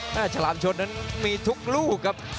ฉลามชนนั้นมีทุกลูกครับ